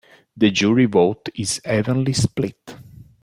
The jury vote is evenly split.